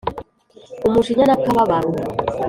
umujinya n' akababaro